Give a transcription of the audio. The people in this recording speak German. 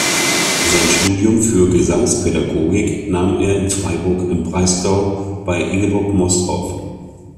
Sein Studium für Gesangspädagogik nahm er in Freiburg im Breisgau bei Ingeborg Most auf.